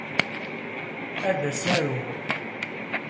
Ad as-aruɣ.